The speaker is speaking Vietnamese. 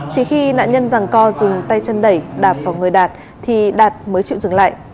chỉ khi nạn nhân rằng co dùng tay chân đẩy đạp vào người đạt thì đạt mới chịu dừng lại